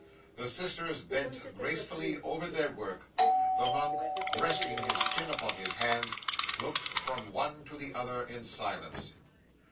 The sisters bent gracefully over their work; the monk, resting his chin upon his hands, looked from one to the other in silence.